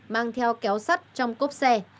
mang theo kéo sắt trong cốp xe